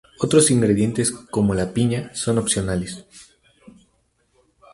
Otros ingredientes, como la piña, son opcionales.